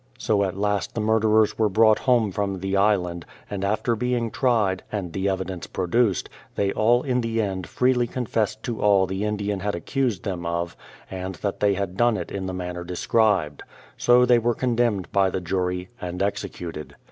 So at last the murderers were brought home from the Island, and after being tried, and the evidence produced, they all in the end freely confessed to all the Indian had accused them of, and that they had done it in the manner described. So they were condemned by the jury, and executed.